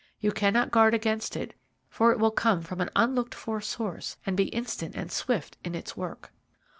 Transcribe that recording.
You cannot guard against it, for it will come from an unlooked for source, and be instant and swift in its work."